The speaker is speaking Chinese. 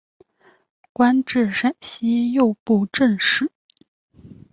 官至陕西右布政使。